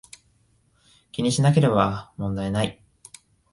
気にしなければ問題無い